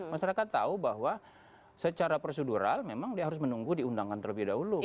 masyarakat tahu bahwa secara prosedural memang dia harus menunggu diundangkan terlebih dahulu